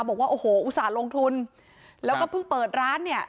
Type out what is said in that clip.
บอกว่าโอ้โหอุตส่าห์ลงทุนแล้วก็เพิ่งเปิดร้านเนี่ย